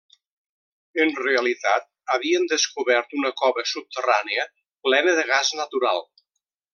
En realitat havien descobert una cova subterrània plena de gas natural.